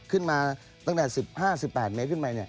ขึ้นมาตั้งแต่๑๕๑๘เมตรขึ้นไป